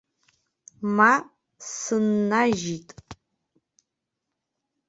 Ма сыннажьит.